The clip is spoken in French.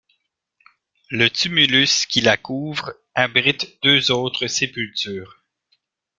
Le tumulus qui la couvre abrite deux autres sépultures.